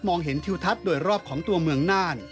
เห็นทิวทัศน์โดยรอบของตัวเมืองน่าน